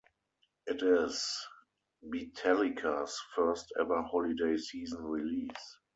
It is Beatallica's first ever Holiday Season release.